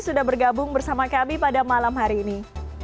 sudah bergabung bersama kami pada malam hari ini